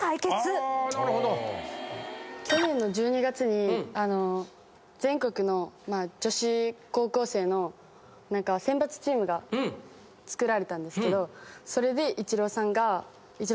去年の１２月に全国の女子高校生の選抜チームがつくられたんですけどそれでイチローさんと対決したんですよ。